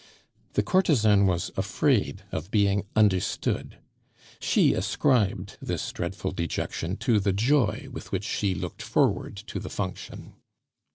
The courtesan was afraid of being understood; she ascribed this dreadful dejection to the joy with which she looked forward to the function.